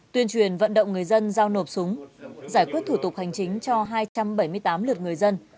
tuyên truyền vận động người dân giao nộp súng giải quyết thủ tục hành chính cho hai trăm bảy mươi tám lượt người dân